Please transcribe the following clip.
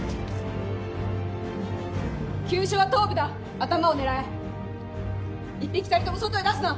急所は頭部だ頭を狙え一匹たりとも外へ出すな！